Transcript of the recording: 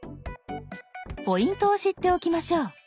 ポイントを知っておきましょう。